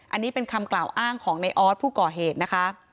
อันนี้เป็นคำกล่าวอ้างของในออสผู้ก่อเหตุนะคะ